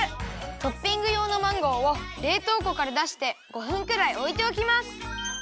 トッピングようのマンゴーをれいとうこからだして５分くらいおいておきます。